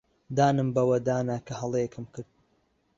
دانم بەوەدا نا کە هەڵەیەکم کرد.